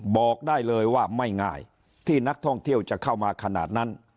บอกได้เลยว่าไม่ง่ายที่นักท่องเที่ยวจะเข้ามาขนาดนั้น